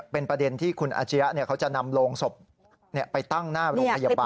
เป็นประเด็นที่คุณอาชียะเขาจะนำโรงศพไปตั้งหน้าโรงพยาบาล